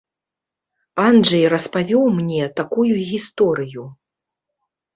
Анджэй распавёў мне такую гісторыю.